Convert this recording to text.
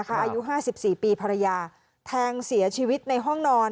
อายุ๕๔ปีภรรยาแทงเสียชีวิตในห้องนอน